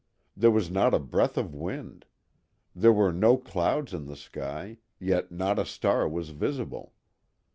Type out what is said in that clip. There was not a breath of wind; there were no clouds in the sky, yet not a star was visible.